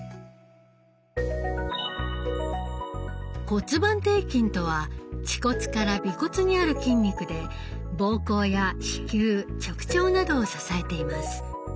骨盤底筋とは恥骨から尾骨にある筋肉で膀胱や子宮直腸などを支えています。